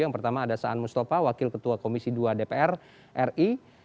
yang pertama ada saan mustafa wakil ketua komisi dua dpr ri